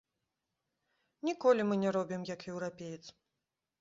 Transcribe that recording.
Ніколі мы не робім, як еўрапеец.